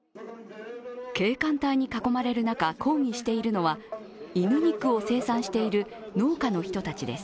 警官隊に囲まれる中抗議しているのは犬肉を生産している農家の人たちです。